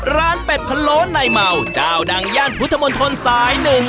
ร้านเป็ดพะโล้ในเมาจ้าวดังย่านพุทธมนตรสายหนึ่ง